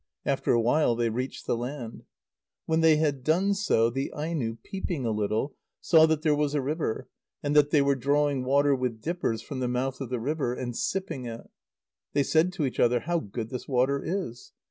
After awhile, they reached the land. When they had done so, the Aino, peeping a little, saw that there was a river, and that they were drawing water with dippers from the mouth of the river, and sipping it. They said to each other: "How good this water is!"